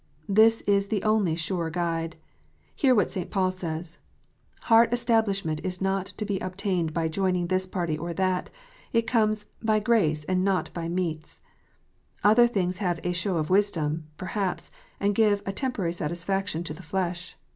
This is the only sure guide. Hear what St. Paul says. Heart establishment is not to be obtained by joining this party or that. It comes "by grace, and not by meats." Other things have a "show of wisdom," perhaps, and give a temporary satisfaction "to the flesh."